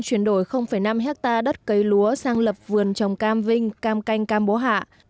chuyển đổi năm hectare đất cây lúa sang lập vườn trồng cam vinh cam canh cam bố hạ